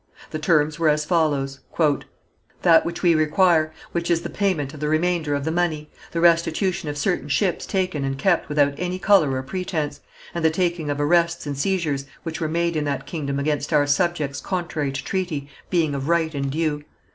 The terms were as follows: "That which we require, which is the payment of the remainder of the money, the restitution of certain ships taken and kept without any colour or pretence, and the taking of arrests and seizures which were made in that kingdom against our subjects contrary to treaty, being of right and due.